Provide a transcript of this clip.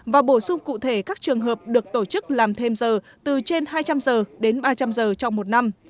và bổ sung cụ thể các trường hợp được tổ chức làm thêm giờ từ trên hai trăm linh giờ đến ba trăm linh giờ trong một năm